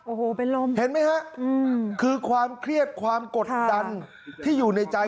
โอ้โหเป็นลมเห็นไหมฮะคือความเครียดความกดดันที่อยู่ในใจ